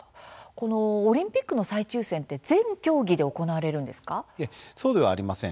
このオリンピックの再抽せんってそうではありません。